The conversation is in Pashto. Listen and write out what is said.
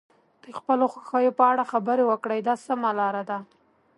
د خپلو خوښیو په اړه خبرې وکړئ دا سمه لاره ده.